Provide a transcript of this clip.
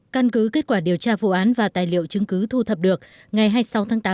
căn cứ kết quả điều tra vụ án và tài liệu chứng cứ thu thập được ngày hai mươi sáu tháng tám